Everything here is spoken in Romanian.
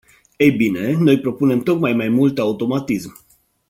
Ei bine, noi propunem tocmai mai mult automatism.